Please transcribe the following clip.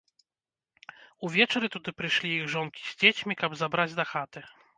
Увечары туды прыйшлі іх жонкі з дзецьмі, каб забраць дахаты.